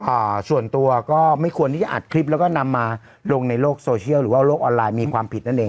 อ่าส่วนตัวก็ไม่ควรที่จะอัดคลิปแล้วก็นำมาลงในโลกโซเชียลหรือว่าโลกออนไลน์มีความผิดนั่นเอง